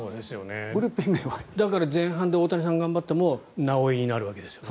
だから前半で大谷さんが頑張っても「なおエ」になるわけですね。